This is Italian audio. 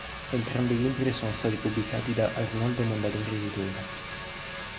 Entrambi i libri sono stati pubblicati da Arnoldo Mondadori Editore.